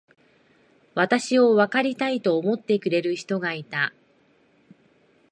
私をわかりたいと思ってくれる人がいた。